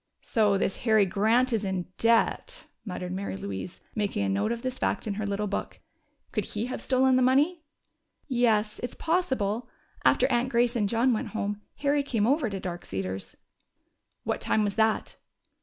"So this Harry Grant is in debt!" muttered Mary Louise, making a note of this fact in her little book. "Could he have stolen the money?" "Yes, it's possible. After Aunt Grace and John went home, Harry came over to Dark Cedars." "What time was that?"